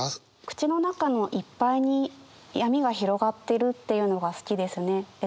口の中のいっぱいに闇が広がってるっていうのが好きですね。